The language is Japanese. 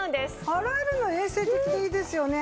洗えるの衛生的でいいですよね。